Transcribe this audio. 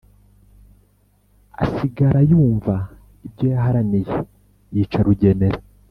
asigarayumva ibyo yaharaniye yica rugenera